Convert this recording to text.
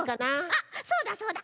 あっそうだそうだ！